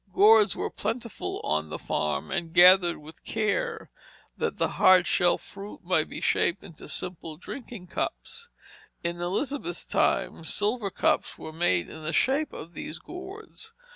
Gourds were plentiful on the farm, and gathered with care, that the hard shelled fruit might be shaped into simple drinking cups. In Elizabeth's time silver cups were made in the shape of these gourds.